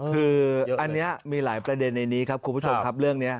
คืออันนี้มีหลายประเด็นในนี้ครับคุณผู้ชมครับเรื่องนี้